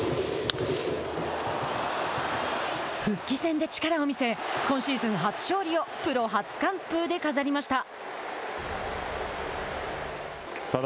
復帰戦で力を見せ今シーズン初勝利をプロ初完封で飾りました。